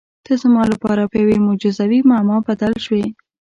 ته زما لپاره په یوې معجزوي معما بدل شوې.